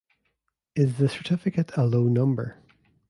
Is the certificate a low number?